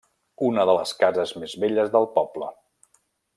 Una de les cases més velles del poble.